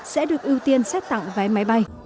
sẽ được ưu tiên xét tặng vé máy bay